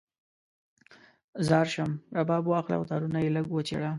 ځار شم، رباب واخله او تارونه یې لږ وچیړه